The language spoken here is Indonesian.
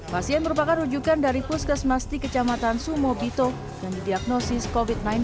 pasien merupakan rujukan dari puskesmas di kecamatan sumobito yang didiagnosis covid sembilan belas